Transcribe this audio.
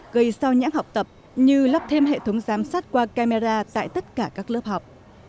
gây sao nhãn học tập như lắp thêm hệ thống giám sát qua camera tại tất cả các lớp học